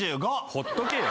ほっとけよ。